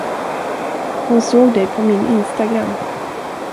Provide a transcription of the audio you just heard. Hon såg dig på min Instagram.